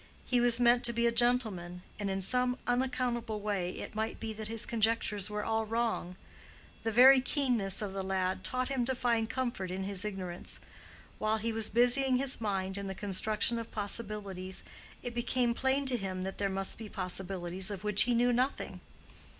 He was meant to be a gentleman, and in some unaccountable way it might be that his conjectures were all wrong. The very keenness of the lad taught him to find comfort in his ignorance. While he was busying his mind in the construction of possibilities, it became plain to him that there must be possibilities of which he knew nothing.